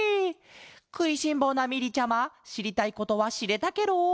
くいしんぼうなみりちゃましりたいことはしれたケロ？